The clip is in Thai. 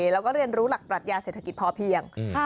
แล้วก็เรียนรู้หลักปรัชญาเศรษฐกิจพอเพียง